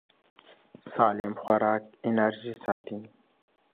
سالم خوراک انرژي ساتي.